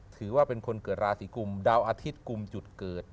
ถือว่าเป็นคนเกิดราศีกุมดาวอาทิตย์กลุ่มจุดเกิด